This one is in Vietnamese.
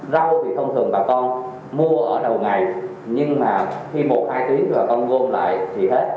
rau thì thông thường bà con mua ở đầu ngày nhưng mà khi một hai tiếng thì bà con gom lại thì hết